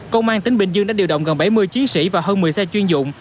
công an tỉnh bình dương đã điều động gần bảy mươi chiến sĩ và hơn một mươi xe chuyên dụng